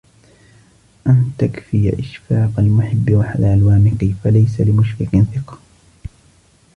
أَنْ تَكْفِيَ إشْفَاقَ الْمُحِبِّ وَحَذَرَ الْوَامِقِ فَلَيْسَ لِمُشْفِقٍ ثِقَةٌ